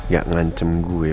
gak ngancem gue